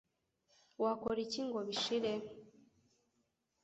Wakora iki ngo bishire